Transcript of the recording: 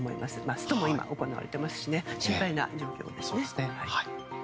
ストも今、行われていますし心配な状況ですね。